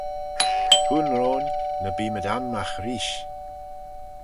Hooin roin ny beemayd anmagh reesht.